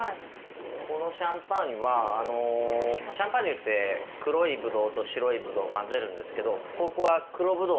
このシャンパーニュはシャンパーニュって黒いブドウと白いブドウを混ぜるんですけどここは黒ブドウが多いんです。